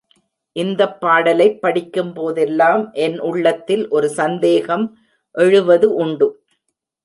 இந்தப் பாட்டைப் படிக்கும் போதெல்லாம் என் உள்ளத்தில் ஒரு சந்தேகம் எழுவது உண்டு.